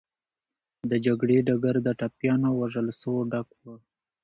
د جګړې ډګر د ټپيانو او وژل سوو ډک و.